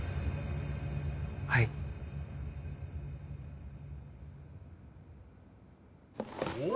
はいうわ！